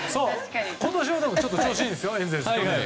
今年はでも調子いいですよエンゼルス。